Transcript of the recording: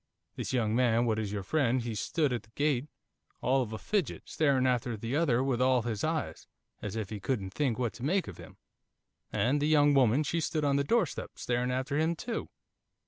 This young man what is your friend he stood at the gate, all of a fidget, staring after the other with all his eyes, as if he couldn't think what to make of him, and the young woman, she stood on the doorstep, staring after him too.